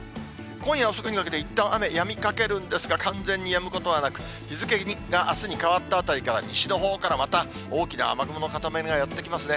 今夜遅くにかけていったん雨やみかけるんですが、完全にやむことはなく、日付があすに変わったあたりから、西のほうからまた大きな雨雲の固まりがやって来ますね。